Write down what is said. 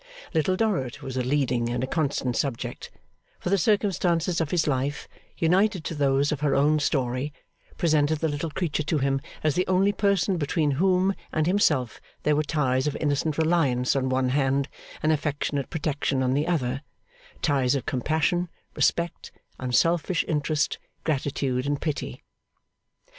Little Dorrit was a leading and a constant subject: for the circumstances of his life, united to those of her own story, presented the little creature to him as the only person between whom and himself there were ties of innocent reliance on one hand, and affectionate protection on the other; ties of compassion, respect, unselfish interest, gratitude, and pity.